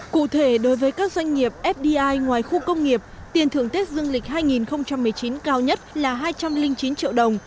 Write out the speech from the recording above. cụ thể đối với các doanh nghiệp fdi ngoài khu công nghiệp tiền thưởng tết dương lịch hai nghìn một mươi chín cao nhất là hai trăm linh chín triệu đồng